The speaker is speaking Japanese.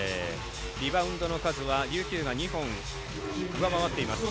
リバウンドの数は琉球が２本上回っています。